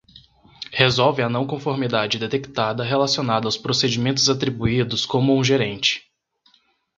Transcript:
Resolve a não conformidade detectada relacionada aos procedimentos atribuídos como um gerente.